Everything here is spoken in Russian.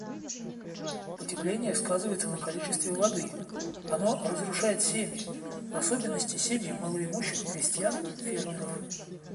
Потепление сказывается на количестве воды; оно разрушает семьи, в особенности семьи малоимущих крестьян-фермеров.